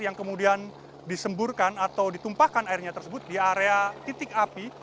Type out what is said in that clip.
yang kemudian disemburkan atau ditumpahkan airnya tersebut di area titik api